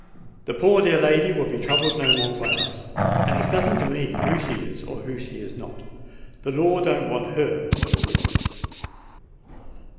The poor dear lady will be troubled no more by us; and it's nothing to me who she is, or who she is not. The law don't want her, at all events."